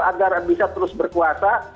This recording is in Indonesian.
agar bisa terus berkuasa